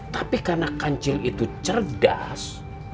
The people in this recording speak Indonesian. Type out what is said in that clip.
tapi karena kancing itu cerdas